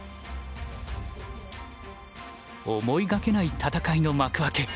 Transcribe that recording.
思いがけない戦いの幕開け。